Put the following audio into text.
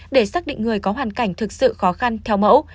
để xác định người có hoàn cảnh thực sự khó khăn theo mẫu